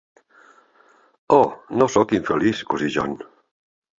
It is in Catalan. Oh, no soc infeliç, cosí John!